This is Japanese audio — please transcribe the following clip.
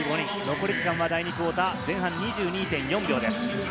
残り時間は第２クオーター、前半２２．４秒です。